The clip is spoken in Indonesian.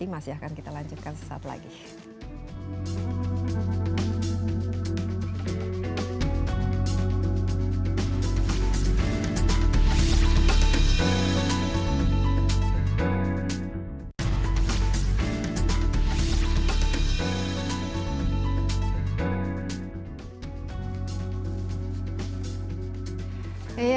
masih ada beberapa gitu